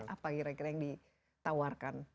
apa kira kira yang ditawarkan